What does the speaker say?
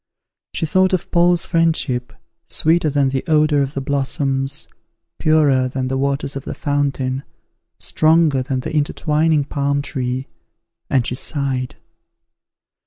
She thought of Paul's friendship, sweeter than the odour of the blossoms, purer than the waters of the fountain, stronger than the intertwining palm tree, and she sighed.